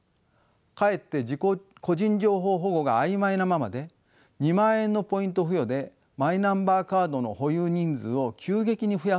かえって個人情報保護が曖昧なままで２万円のポイント付与でマイナンバーカードの保有人数を急激に増やそうとしました。